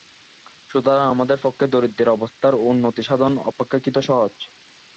সুতরাং আমাদের পক্ষে দরিদ্রের অবস্থার উন্নতিসাধন অপেক্ষাকৃত সহজ।